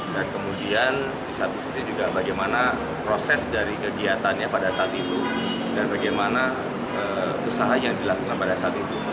dan kemudian di satu sisi juga bagaimana proses dari kegiatannya pada saat itu dan bagaimana usaha yang dilakukan pada saat itu